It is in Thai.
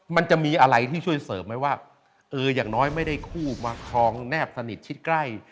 มันจะมีอะไรที่ช่วยเสริมไหมว่าเอออย่างน้อยไม่ได้คู่มาครองแนบสนิทชิดใกล้